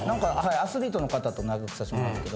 アスリートの方と仲良くさせてもらうんですけど。